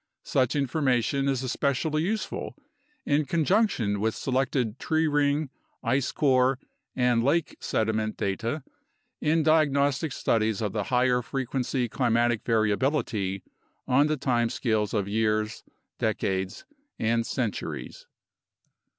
Such information is especially useful in conjunction with selected tree ring, ice core, and lake sediment data in diagnostic studies of the higher frequency climatic variability on the time scales of years, decades, and centuries.